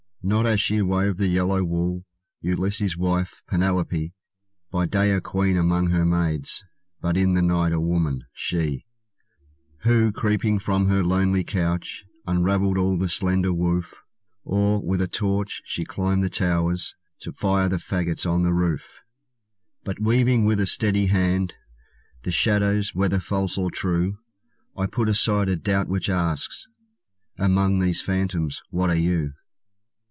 Not as she wove the yellow wool, Ulysses' wife, Penelope; By day a queen among her maids, But in the night a woman, she, Who, creeping from her lonely couch, Unraveled all the slender woof; Or, with a torch, she climbed the towers, To fire the fagots on the roof! But weaving with a steady hand The shadows, whether false or true, I put aside a doubt which asks "Among these phantoms what are you?"